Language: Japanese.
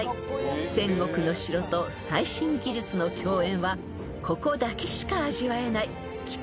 ［戦国の城と最新技術の共演はここだけしか味わえない貴重な芸術作品です］